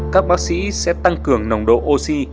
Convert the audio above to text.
các bác sĩ sẽ tăng cường nồng độ oxy